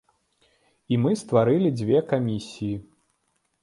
І мы стварылі дзве камісіі.